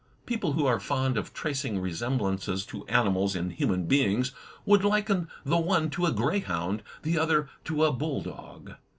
People who are fond of tracing resemblances to animals in htmian beings would liken the one to a grey hound, the other to a bull dog.